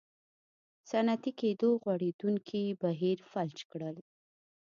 صنعتي کېدو غوړېدونکی بهیر فلج کړل.